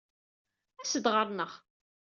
As-d ɣer-neɣ!